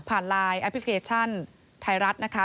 ผ่านไลน์แอปพลิเคชันไทรัศน์นะคะ